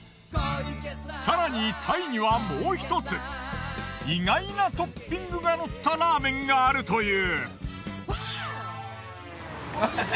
更にタイにはもう１つ意外なトッピングがのったラーメンがあるという。